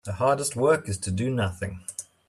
The hardest work is to do nothing.